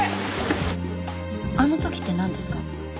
あの時ってなんですか？